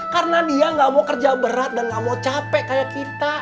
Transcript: karena dia nggak mau kerja berat dan nggak mau capek kayak kita